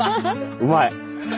うまい！